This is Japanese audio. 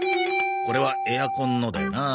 これはエアコンのだよな。